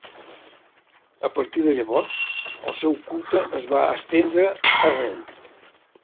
A partir de llavors, el seu culte es va estendre arreu.